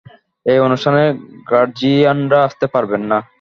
এই অনুষ্ঠানে গার্জিয়ানরা আসতে পারবেন না।